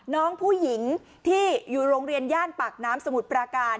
น้องผู้หญิงที่อยู่โรงเรียนย่านปากน้ำสมุทรปราการ